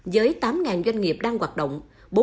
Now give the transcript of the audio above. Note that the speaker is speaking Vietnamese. với tám doanh nghiệp đang hoạt động